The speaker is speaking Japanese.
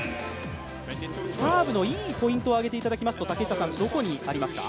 サーブのいいポイントを挙げていただきますと、どこにありますか？